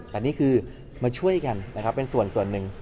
แต่นี่คือมาช่วยกันนะครับเป็นส่วนหนึ่ง